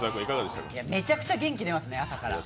めちゃくちゃ元気出ます、朝から。